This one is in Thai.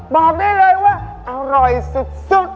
บอกได้เลยว่าอร่อยสุด